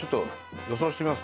予想してみますか